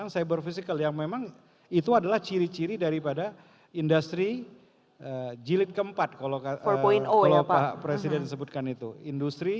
cyber physical yang memang itu adalah ciri ciri daripada industri jilid keempat kalau pak presiden sebutkan itu industri